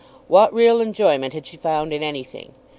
What real enjoyment had she found in anything?